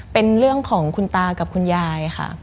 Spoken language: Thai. เป็นเรื่องของคุณตากับคุณยายค่ะ